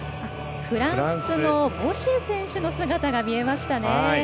フランスのボシェ選手の姿が見えました。